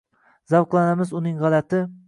zavqlanamiz uning gʼalati